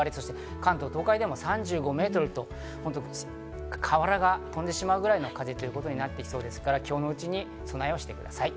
関東、東海でも３５メートルと、瓦が飛んでしまうぐらいの風ということになってきそうですから、今日のうちに備えをしてください。